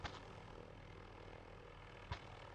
卡斯尔镇区为美国堪萨斯州麦克弗森县辖下的镇区。